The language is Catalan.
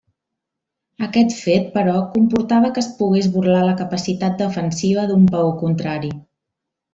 Aquest fet, però, comportava que es pogués burlar la capacitat defensiva d'un peó contrari.